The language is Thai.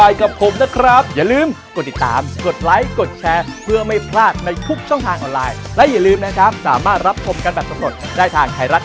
อย่าลืมติดตามสำหรับวันนี้สวัสดีครับ